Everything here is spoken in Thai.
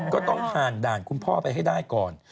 ก็ต้องผ่านด่านคุณพ่อไปให้ได้ก่อน